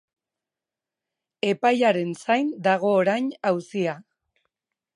Epaiaren zain dago orain auzia.